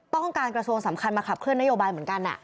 กระทรวงสำคัญมาขับเคลื่อนนโยบายเหมือนกัน